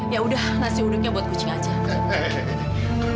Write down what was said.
yaudah nasi uduknya buat kucing aja